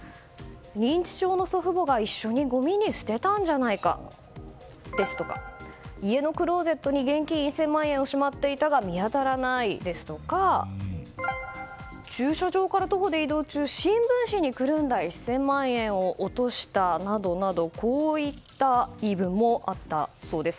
認知症の祖父母が一緒にごみに捨てたんじゃないかですとか家のクローゼットに現金１０００万円を閉まっていたが見当たらないですとか駐車場から徒歩で移動中新聞紙にくるんだ１０００万円を落としたなどなどこういった言い分もあったそうです。